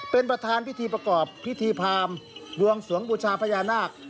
เป็นประธานพิธีประกอบพิธีพรามบวงสวงบูชาพญานาค